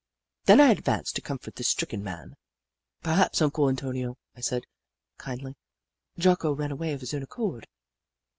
Then I advanced to comfort the stricken man. " Perhaps, Uncle Antonio," I said, kindly, " Jocko ran away of his own accord."